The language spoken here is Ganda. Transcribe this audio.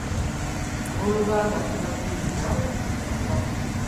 Ab'oluganda tebakkirizibwa kutta mukago.